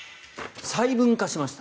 細分化しました。